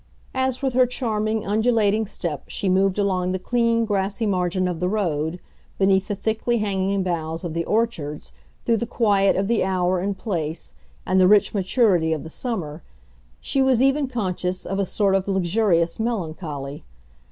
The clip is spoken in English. As with her charming undulating step she moved along the clean, grassy margin of the road, beneath the thickly hanging boughs of the orchards, through the quiet of the hour and place and the rich maturity of the summer, she was even conscious of a sort of luxurious melancholy.